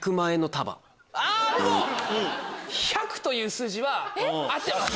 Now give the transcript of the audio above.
でも１００という数字は合ってます。